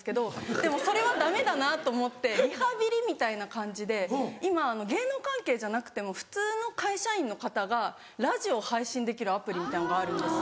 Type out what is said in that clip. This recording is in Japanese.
でもそれはダメだなと思ってリハビリみたいな感じで今芸能関係じゃなくても普通の会社員の方がラジオを配信できるアプリみたいなのがあるんですよ。